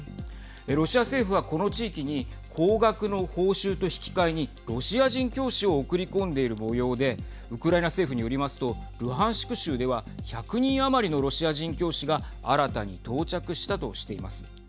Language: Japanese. ロシア政府は、この地域に高額の報酬と引き換えにロシア人教師を送り込んでいるもようでウクライナ政府によりますとルハンシク州では１００人余りのロシア人教師が新たに到着したとしています。